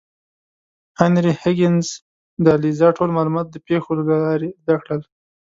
هنري هیګینز د الیزا ټول معلومات د پیښو له لارې زده کړل.